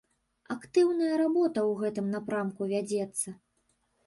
Актыўная работа ў гэтым напрамку вядзецца.